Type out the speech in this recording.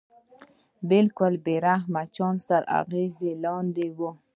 بلکې د بې رحمه چانس تر اغېز لاندې وي.